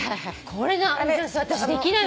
これ私できない。